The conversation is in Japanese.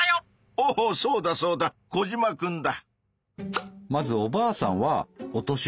おおそうだそうだコジマくんだ。